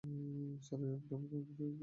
Sir, এটা একটা cricket খেলার মতো।